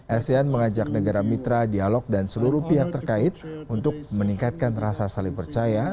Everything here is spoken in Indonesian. asean mengajak negara mitra dialog dan seluruh pihak terkait untuk meningkatkan rasa saling percaya